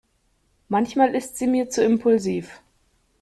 Manchmal ist sie mir zu impulsiv.